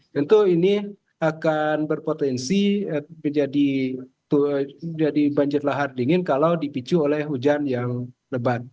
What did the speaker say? tentu ini akan berpotensi menjadi banjir lahar dingin kalau dipicu oleh hujan yang lebat